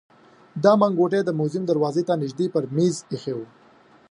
دا منګوټی د موزیم دروازې ته نژدې پر مېز ایښی و.